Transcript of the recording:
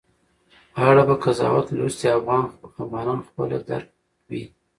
په اړه به قضاوت لوستي افغانان خپله درک وي